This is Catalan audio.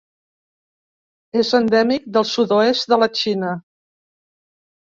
És endèmic del sud-oest de la Xina.